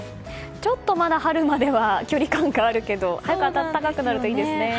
ちょっとまだ春までは距離感があるけど早く暖かくなるといいですね。